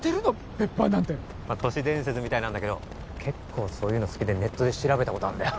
別班なんて都市伝説みたいなんだけど結構そういうの好きでネットで調べたことあるんだよ